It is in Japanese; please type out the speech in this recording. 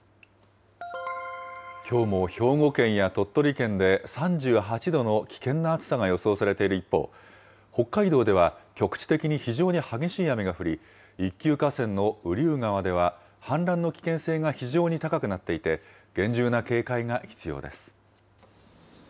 きょうも兵庫県や鳥取県で、３８度の危険な暑さが予想されている一方、北海道では局地的に非常に激しい雨が降り、一級河川のうりゅう川では、氾濫の危険性が非常に高くなっていて、厳重な警戒が必要です。